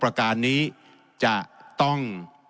ประการนี้จะต้อง